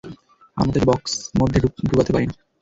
আমরা তাকে বক্স মধ্যে ঢুকাতে পারি না।